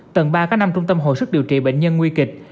tầng ba có năm trung tâm hồi sức điều trị bệnh nhân nguy kịch